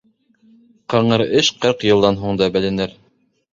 Ҡыңыр эш ҡырҡ йылдан һуң да беленер.